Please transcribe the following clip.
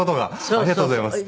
ありがとうございます。